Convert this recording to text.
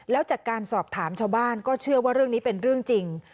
แล้วจากการสอบถามชาวบ้านก็เชื่อว่าเรื่องนี้เป็นเรื่องจริง